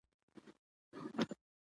اداره د ټولنې اړتیاوې په پام کې نیسي.